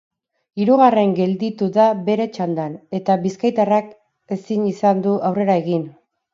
Hirugarren gelditu da bere txandan, eta bizkaitarrak ezin izan du aurrera egin.